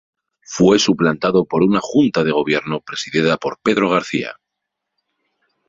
Fue suplantado por una Junta de Gobierno presidida por Pedro García.